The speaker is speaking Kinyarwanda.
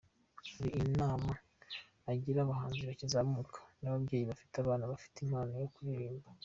Hari inama agira abahanzi bakizamuka …n’ababyeyi bafite abana bafite impano yo kuririmba.